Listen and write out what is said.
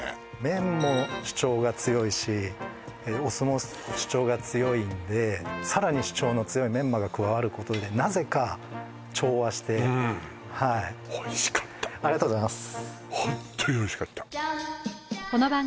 麺も主張が強いしお酢も主張が強いんでさらに主張の強いメンマが加わることでなぜか調和してはいありがとうございます